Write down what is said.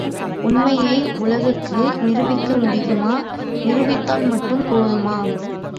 உண்மையை உலகுக்கு நிரூபிக்க முடியுமா? நிரூபித்தால் மட்டும் போதுமா?